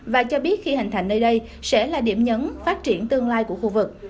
và cho biết khi hành thành nơi đây sẽ là điểm nhấn phát triển tương lai của khu vực